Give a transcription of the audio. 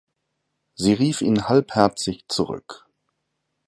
Sie rief ihn halbherzig zurück.